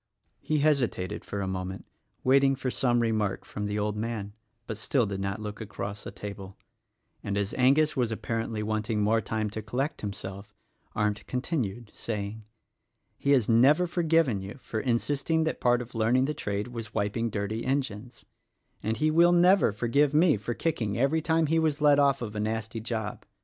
He hesitated for a moment waiting for some remark from the old man, but still did not look across the table; and as Angus was apparently wanting more time to collect THE RECORDING ANGEL 21 himself, Arndt continued, saying, "He has never forgiven you for insisting that part of learning the trade was wiping dirty engines— and he will never forgive me for kicking every time he was let off of a nastv job.